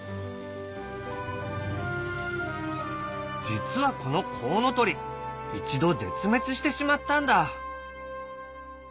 実はこのコウノトリ一度絶滅してしまったんだ。